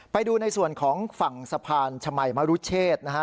ไปดูในส่วนของฝั่งสะพานชมัยมรุเชษนะฮะ